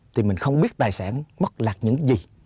thì mình không biết tài sản mất lạc những gì